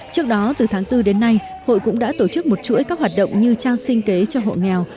trước đó từ tháng bốn đến nay hội cũng đã tổ chức một chuỗi các hoạt động như trao sinh kế cho hộ nghèo